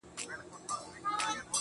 دوی نه يواځي د کندهار سره مشکل لري